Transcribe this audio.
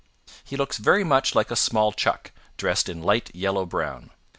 He looks very much like a small Chuck dressed in light yellow brown.